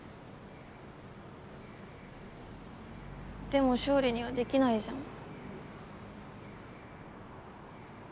でも勝利にはできないじゃん。